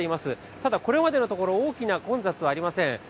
ただ、これまでのところ大きな混雑はありません。